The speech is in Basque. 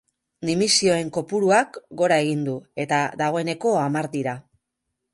Dimisioen kopuruak gora egin du eta dagoeneko hamar dira.